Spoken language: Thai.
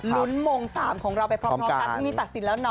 โมง๓ของเราไปพร้อมกันพรุ่งนี้ตัดสินแล้วเน